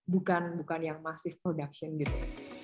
bukan bukan yang masih production gitu